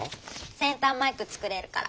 センターマイク作れるから。